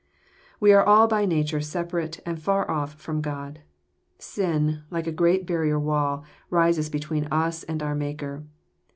f ■ We are all by nature separate and far off fi'om G od. Sin, like a great barrier wall,~rises between us and our Maker.